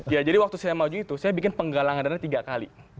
ya jadi waktu saya maju itu saya bikin penggalangan dana tiga kali